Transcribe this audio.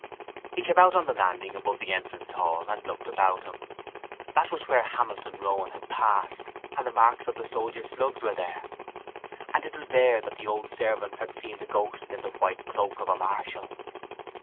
He came out on the landing above the entrance hall and looked about him. That was where Hamilton Rowan had passed and the marks of the soldiers' slugs were there. And it was there that the old servants had seen the ghost in the white cloak of a marshal.